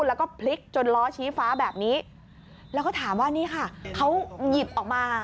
แล้วก็พลิกจนล้อชี้ฟ้าแบบนี้แล้วก็ถามว่านี่ค่ะเขาหยิบออกมา